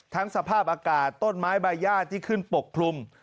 สภาพอากาศต้นไม้ใบย่าที่ขึ้นปกคลุม